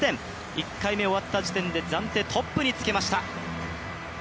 １回目終わった時点で暫定トップにつけました。